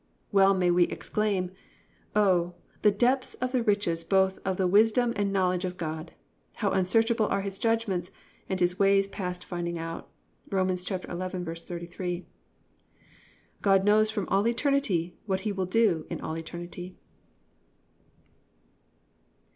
Well may we exclaim: +"Oh, the depth of the riches both of the wisdom and knowledge of God: how unsearchable are his judgments and his ways past finding out."+ (Rom. 11:33.) God knows from all eternity what He will do to all eternity.